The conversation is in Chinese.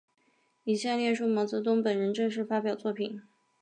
以下列出毛泽东本人正式发表作品。